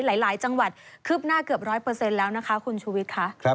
หลายจังหวัดคืบหน้าเกือบ๑๐๐แล้วนะคะคุณชุวิตค่ะ